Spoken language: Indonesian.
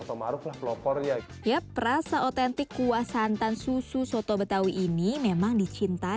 tapi rasa dari kuah soto betawi ini tetap gurih ya